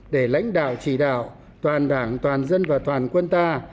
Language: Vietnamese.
để lãnh đạo chỉ đạo toàn đảng toàn dân và toàn quân ta